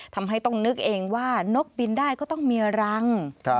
ทำให้ต้องนึกเองว่านกบินได้ก็ต้องมีรัง